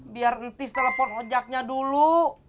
biar tis telepon ojaknya dulu